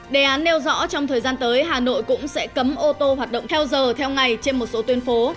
đề án nêu rõ trong thời gian tới hà nội cũng sẽ cấm ô tô hoạt động theo giờ theo ngày trên một số tuyên phố